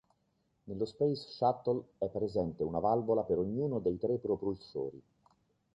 Nello Space Shuttle è presente una valvola per ognuno dei tre propulsori.